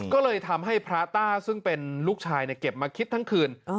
ก็เลยทำให้พระต้าซึ่งเป็นลูกชายเก็บมาคิดทั้งคืน